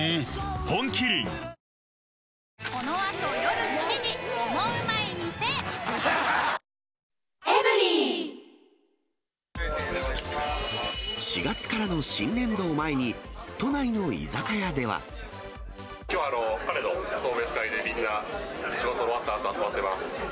本麒麟４月からの新年度を前に、きょう、彼の送別会で、みんな仕事終わったあと、集まってます。